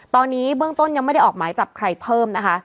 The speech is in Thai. ตอนนี้เบื้องต้นยังไม่ได้ออกหมายจับใครเพิ่มนะคะ